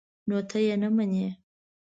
_نو ته يې نه منې؟